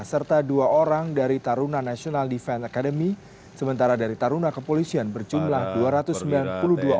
serta dua orang dari taruna national defense academy sementara dari taruna kepolisian berjumlah dua ratus sembilan puluh dua orang